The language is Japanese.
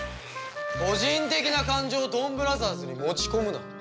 個人的な感情をドンブラザーズに持ち込むな。